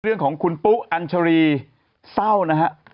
เรื่องของคุณปุ๊อัญชรีเศร้านะฮะ